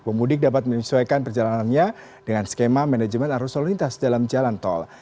pemudik dapat menyesuaikan perjalanannya dengan skema manajemen arus lalu lintas dalam jalan tol